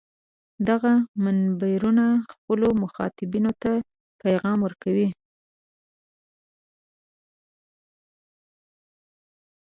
دغه منبرونه خپلو مخاطبانو ته پیغام ورکوي.